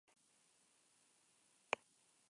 Tolosako Konderriaren eremu nagusiak honako hauek dira.